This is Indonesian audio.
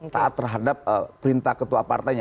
taat terhadap perintah ketua partainya